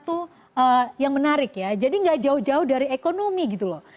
itu yang menarik ya jadi gak jauh jauh dari ekonomi gitu loh